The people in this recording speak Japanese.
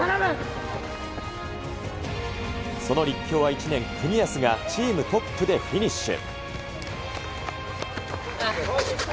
その立教は１年、國安がチームトップでフィニッシュ。